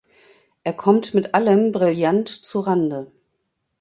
Er kommt mit allem brillant zu Rande.